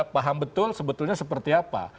paham betul sebetulnya seperti apa